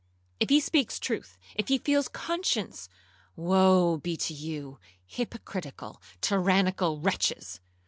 If he speaks truth,—if he feels conscience,—woe be to you, hypocritical, tyrannical wretches.